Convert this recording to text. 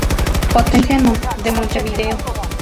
Potencia de Montevideo.